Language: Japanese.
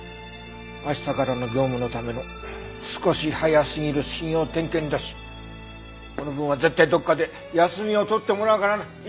明日からの業務のための少し早すぎる始業点検だしこの分は絶対どこかで休みを取ってもらうからな。